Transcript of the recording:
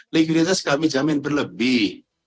likuiditas kami jamin berlebih